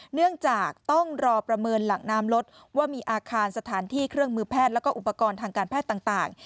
เนื่องจากต้องรอประเมินหลังน้ำรถว่ามีอาคารสถานที่เครื่องมือแพทย์แล้วก็อุปกรณ์ทางการแพทย์ต่าง